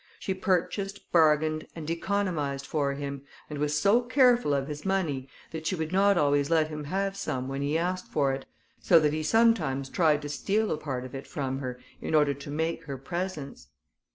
She purchased, bargained, and economised for him, and was so careful of his money, that she would not always let him have some when he asked for it, so that he sometimes tried to steal a part of it from her, in order to make her presents.